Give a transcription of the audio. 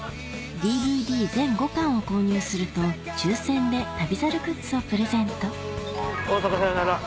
ＤＶＤ全５巻を購入すると抽選で『旅猿』グッズをプレゼント大阪さようなら。